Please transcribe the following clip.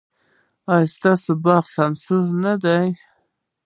ایا ستاسو باغ به سمسور نه وي؟